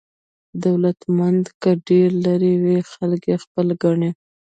دولتمند که ډېر لرې وي، خلک یې خپل ګڼي.